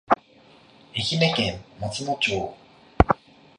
愛媛県松野町